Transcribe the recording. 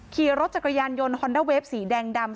ขี่รถจักรยานยนต์ฮอนด้าเวฟสีแดงดำ